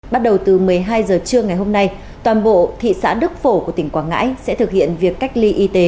bắt đầu từ một mươi hai h trưa ngày hôm nay toàn bộ thị xã đức phổ của tỉnh quảng ngãi sẽ thực hiện việc cách ly y tế